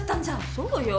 そうよ。